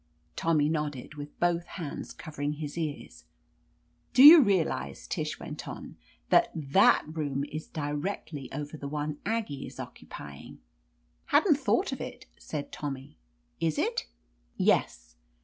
Tommy nodded, with both hands covering his ears. "Do you realize," Tish went on, "that that room is directly over the one Aggie is occupy ing?'' "Hadn't thought of it," said Tommy. "Is It?" "Yes.